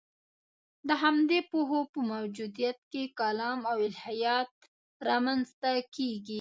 د همدې پوهو په موجودیت کې کلام او الهیات رامنځته کېږي.